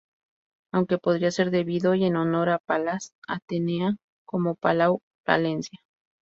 Aunque podría ser debido y en honor a Palas Atenea, como Palau, Palencia...